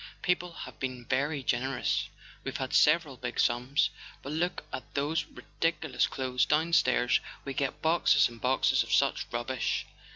People have been very generous: we've had several big sums. But look at those ridiculous clothes down stairs—we get boxes and boxes of such rubbish